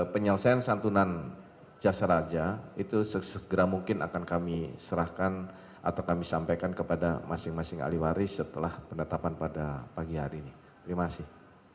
penyelesaian santunan jasa raja itu segera mungkin akan kami serahkan atau kami sampaikan kepada masing masing ahli waris setelah penetapan pada pagi hari ini terima kasih